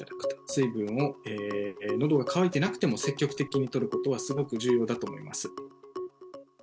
水分をのどが渇いていなくても積極的にとることはすごく重要だと思います。